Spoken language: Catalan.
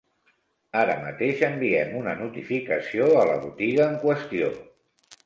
Ara mateix enviem una notificació a la botiga en qüestió.